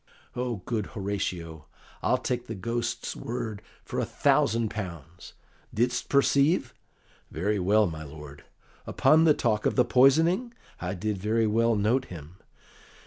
"O good Horatio, I'll take the Ghost's word for a thousand pounds. Didst perceive?" "Very well, my lord." "Upon the talk of the poisoning?" "I did very well note him."